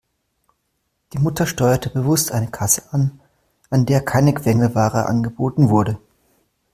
Die Mutter steuerte bewusst eine Kasse an, an der keine Quengelware angeboten wurde.